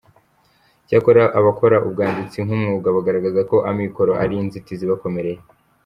Icyakora abakora ubwanditsi nk’umwuga bagaragaza ko amikoro ari inzitizi ibakomereye.